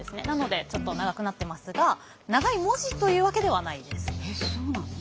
なのでちょっと長くなってますが長い文字というわけではないです。